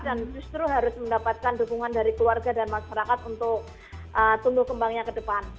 dan justru harus mendapatkan dukungan dari keluarga dan masyarakat untuk tumbuh kembangnya ke depan